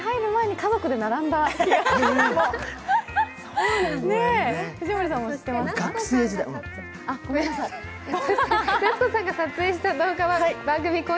夏子さんが撮影した動画は番組公式